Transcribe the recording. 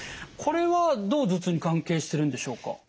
これはどう頭痛に関係してるんでしょうか？